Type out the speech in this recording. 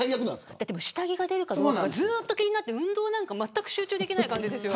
下着が出るかどうかずっと気になって運動なんて、まったく集中できない感じですよね。